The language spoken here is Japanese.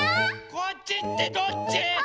こっちってどっち？